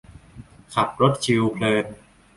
ขับรถชิลเพลิน